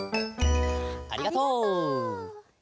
ありがとう。